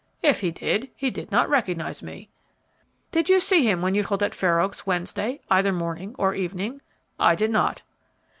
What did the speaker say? "If he did, he did not recognize me." "Did you see him when you called at Fair Oaks, Wednesday, either morning or evening?" "I did not."